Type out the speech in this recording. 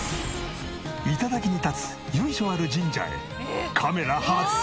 頂に立つ由緒ある神社へカメラ初潜入！